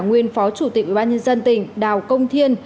nguyên phó chủ tịch ubnd tỉnh đào công thiên